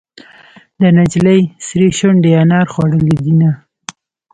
د نجلۍ سرې شونډې انار خوړلې دينهه.